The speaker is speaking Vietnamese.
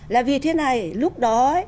là vì thế này lúc đó